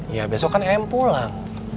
ya besok kan em pulang